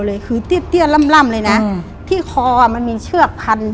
ชื่อของมันมีเชือกถันอยู่